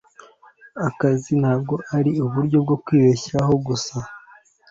Akazi ntabwo ari uburyo bwo kwibeshaho gusa